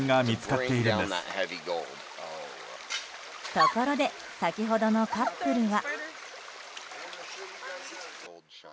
ところで先ほどのカップルは。